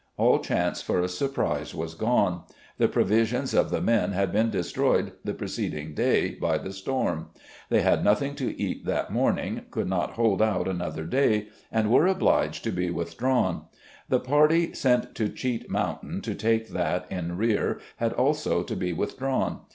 All chance for a surprise was gone. The provisions of the men had been destroyed the preceding day by the storm. They had nothing to eat that morning, could not hold THE CONFEDERATE GENERAL 47 out another day, and were obliged to be withdrawn. The party sent to Cheat Mountain to take that in rear had also to be withdrawn.